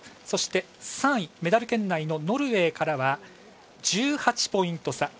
そして、３位メダル圏内のノルウェーからは１８ポイント差。